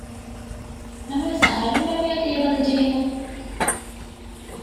ނަމަވެސް އަހަރެންނަށް މި އޮތީ އެ ބަލި ޖެހިފަ